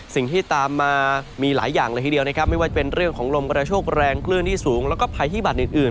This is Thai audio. สิ่งที่ตามมามีหลายอย่างเลยทีเดียวนะครับไม่ว่าจะเป็นเรื่องของลมกระโชคแรงคลื่นที่สูงแล้วก็ภัยพิบัตรอื่น